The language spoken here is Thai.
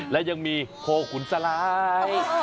และยังมีโคขุนสลาย